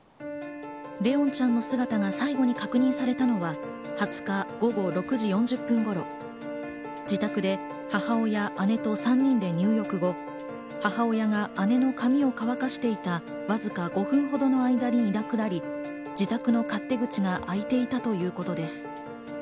怜音ちゃんの姿が最後に確認されたのは２０日、午後６時４０分頃、自宅で母親、姉と３人で入浴後、母親が姉の髪を乾かしているわずか５分ほどの間にいなくなり、自宅の勝手口が開いていたということです。